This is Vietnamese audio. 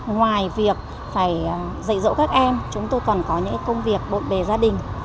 ngoài việc phải dạy dỗ các em chúng tôi còn có những công việc bộn bề gia đình